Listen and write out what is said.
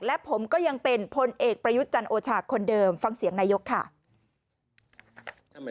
และผมก็ยังเป็นพลเอกประยุทธ์จันโอชาคนเดิมฟังเสียงนายกค่ะ